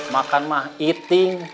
makan mah eating